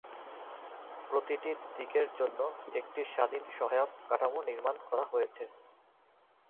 প্রতিটি দিক জন্য একটি স্বাধীন সহায়ক কাঠামো নির্মাণ করা হয়েছে।